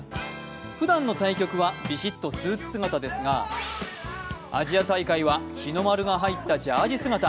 ふだんの対局はビシッとスーツ姿ですがアジア大会は日の丸が入ったジャージ姿。